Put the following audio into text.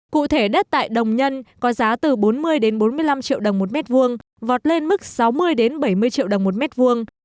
cụ thể đất tại đồng nhân có giá từ bốn mươi bốn mươi năm triệu đồng một m hai vọt lên mức sáu mươi bảy mươi triệu đồng một m hai